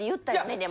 でも。